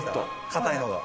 硬いのが。